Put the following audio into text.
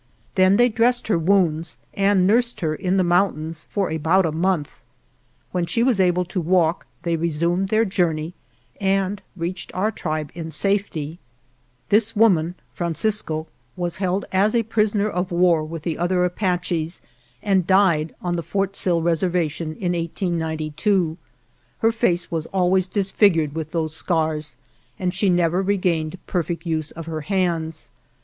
Then they dressed her wounds and nursed her in the mountains for about a month. When she was again able to walk they resumed their journey and reached our tribe in safety. 6G . t >■«■ Asa Deklugie, Wife and Children UNDER DIFFICULTIES This woman (Francisco) was held as a prisoner of war with the other Apaches and died on the Fort Sill Reservation in 1892. Her face was always disfigured with those scars and she never regained perfect use of her hands.